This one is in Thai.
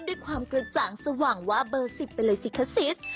ด้วยความกระจ่างสว่างว่าเบอร์๑๐เป็นอะไรสิคะสิทธิ์